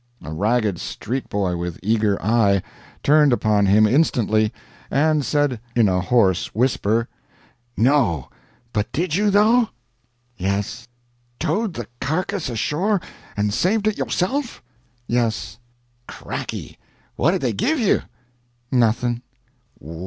A ragged street boy, with eager eye, turned upon him instantly, and said in a hoarse whisper, "'No; but did you, though?' "'Yes.' "'Towed the carkiss ashore and saved it yo'self?' "'Yes.' "'Cracky! What did they give you?' "'Nothing.'